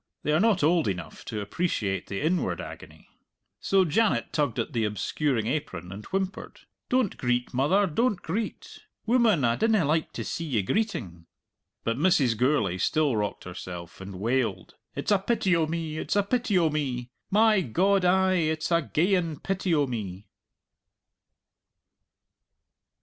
They are not old enough to appreciate the inward agony. So Janet tugged at the obscuring apron, and whimpered, "Don't greet, mother, don't greet. Woman, I dinna like to see ye greetin'." But Mrs. Gourlay still rocked herself and wailed, "It's a pity o' me, it's a pity o' me! My God, ay, it's a geyan pity o' me!"